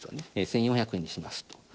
１４００円にしますと。